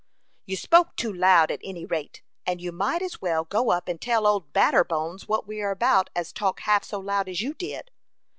"You spoke too loud, at any rate, and you might as well go up and tell 'Old Batterbones' what we are about as talk half so loud as you did."